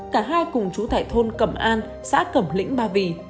cả hai cùng chú tại thôn cẩm an xã cẩm lĩnh ba vì